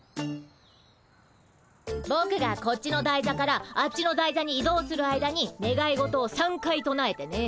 ぼくがこっちの台座からあっちの台座に移動する間にねがい事を３回となえてね。